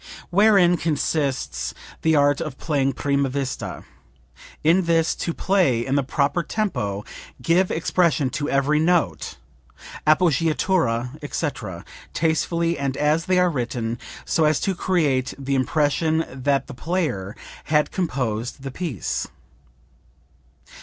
"Wherein consists the art of playing prima vista? In this: To play in the proper tempo; give expression to every note, appoggiatura, etc., tastefully and as they are written, so as to create the impression that the player had composed the piece."